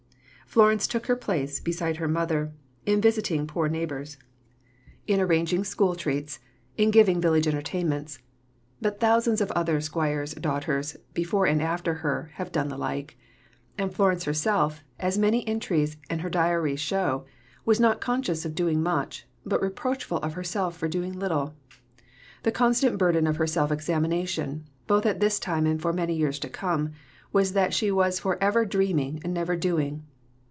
Florence took her place, beside her mother, in visiting poor neighbours, in arranging school treats, in giving village entertainments. But thousands of other squires' daughters, before and after her, have done the like. And Florence herself, as many entries in her diaries show, was not conscious of doing much, but reproachful of herself for doing little. The constant burden of her self examination, both at this time and for many years to come, was that she was for ever "dreaming" and never "doing."